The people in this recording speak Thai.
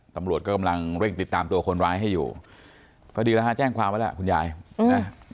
ตำรวจก็กำลังเร่งติดตามตัวคนร้ายให้อยู่ก็ดีแล้วฮะแจ้งความไว้แล้วคุณยายนะ